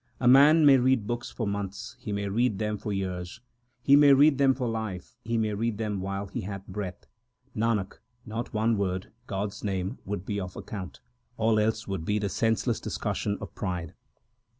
A man may read books for months ; he may read them for years ; He may read them for life ; he may read them while he hath breath Nanak, only one word, God s name, would be of account ; all else would be the senseless discussion of pride.